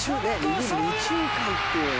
右中間っていうのがね。